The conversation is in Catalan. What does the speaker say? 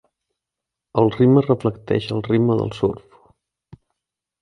El ritme reflecteix el ritme del surf.